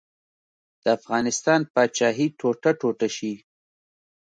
د افغانستان پاچاهي ټوټه ټوټه شي.